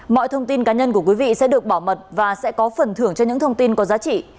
mọi thông tin cá nhân của quý vị sẽ được bảo mật và sẽ có phần thưởng cho những thông tin có giá trị